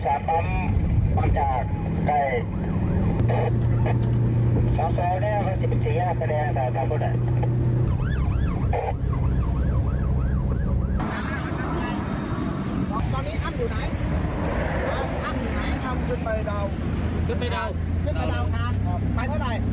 เจ้ามันจะกลับมาตอนไหนเนี่ย